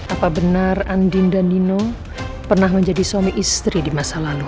apa benar andin dan nino pernah menjadi suami istri di masa lalu